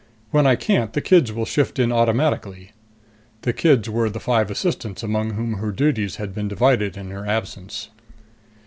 When I can't, the kids will shift in automatically." The kids were the five assistants among whom her duties had been divided in her absence.